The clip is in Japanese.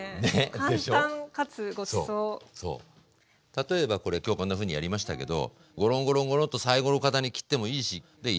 例えばこれ今日こんなふうにやりましたけどゴロンゴロンゴロンとサイコロ形に切ってもいいしで炒めるとか。